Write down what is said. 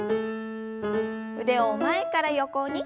腕を前から横に。